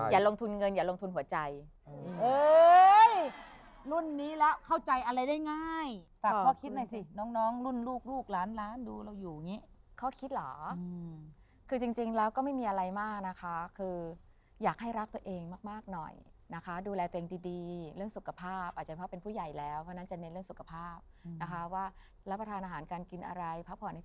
อย่าลงทุนเงินอย่าลงทุนหัวใจ